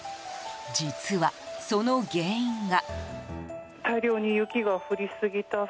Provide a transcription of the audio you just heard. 実は、その原因が。